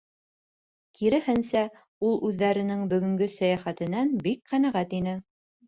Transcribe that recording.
Киреһенсә, ул үҙҙәренең бөгөнгө сәйәхәтенән бик ҡәнәғәт ине.